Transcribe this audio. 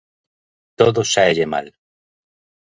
Todo sáelle mal.